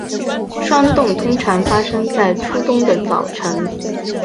霜冻通常发生在初冬的早晨。